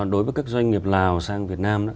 đối với các doanh nghiệp lào sang việt nam